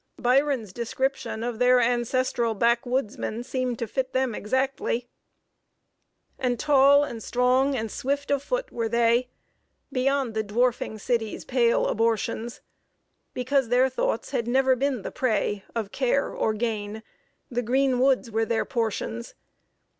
Byron's description of their ancestral backwoodsmen seemed to fit them exactly: "And tall and strong and swift of foot were they, Beyond the dwarfing city's pale abortions, Because their thoughts had never been the prey Of care or gain; the green woods were their portions.